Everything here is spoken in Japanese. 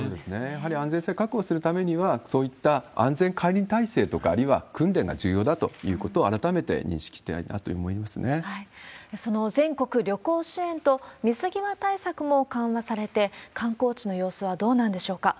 やっぱり安全性を確保するためには、そういった安全管理体制とか、あるいは訓練が重要だということを、その全国旅行支援と、水際対策も緩和されて、観光地の様子はどうなんでしょうか。